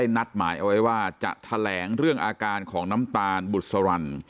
นัดหมายเอาไว้ว่าจะแถลงเรื่องอาการของน้ำตาลบุษรัน